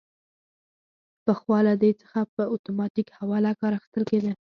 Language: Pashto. پخوا له دې څخه په اتوماتیک حواله کار اخیستل کیده.